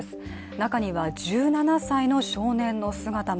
中には１７歳の少年の姿も。